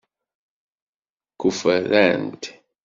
Kuferrant?